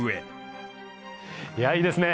いやいいですね。